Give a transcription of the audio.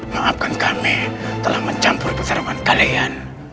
maafkan kami telah mencampur persahaman kalian